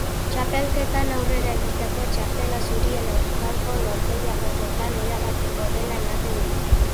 Txapelketan aurrera egiteko txartela zurien aurkako norgehiagoketan erabakiko dela ematen du.